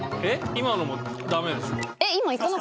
今のもダメでしょ？